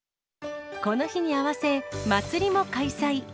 この日に合わせ、祭りも開催。